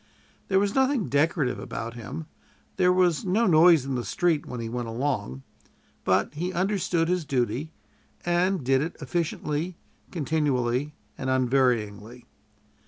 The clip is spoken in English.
There was nothing decorative about him; there was no noise in the street when he went along; but he understood his duty, and did it efficiently, continually, and unvaryingly.